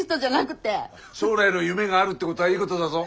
将来の夢があるってことはいいことだぞ。